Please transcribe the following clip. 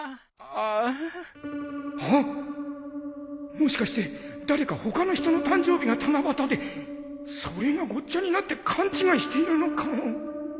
もしかして誰か他の人の誕生日が七夕でそれがごっちゃになって勘違いしているのかも